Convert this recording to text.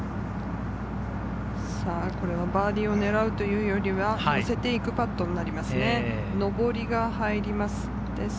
これはバーディーを狙うというよりは寄せて行くパットになります。